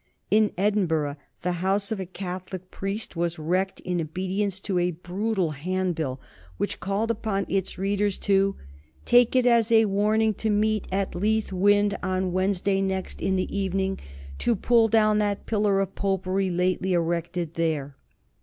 In Edinburgh the house of a Catholic priest was wrecked in obedience to a brutal handbill which called upon its readers to "take it as a warning to meet at Leith Wynd, on Wednesday next, in the evening, to pull down that pillar of popery lately erected there."